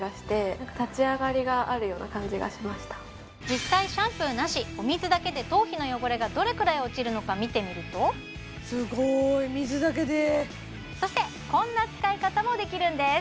実際シャンプーなしお水だけで頭皮の汚れがどれくらい落ちるのか見てみるとすごい水だけでそしてこんな使い方もできるんです